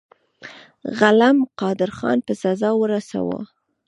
غلم قادرخان په سزا ورساوه.